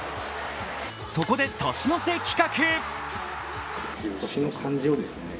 そこで年の瀬企画！